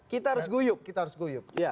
kita harus guyuk